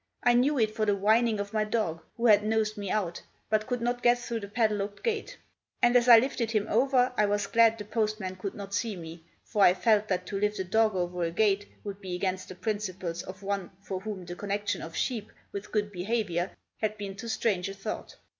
I knew it for the whining of my dog, who had nosed me out, but could not get through the padlocked gate. And as I lifted him over, I was glad the postman could not see me—for I felt that to lift a dog over a gate would be against the principles of one for whom the connection of sheep with good behaviour had been too strange a thought.